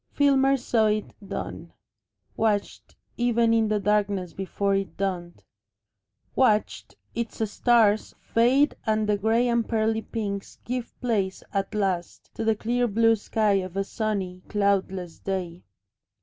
Filmer saw it dawn, watched even in the darkness before it dawned, watched its stars fade and the grey and pearly pinks give place at last to the clear blue sky of a sunny, cloudless day.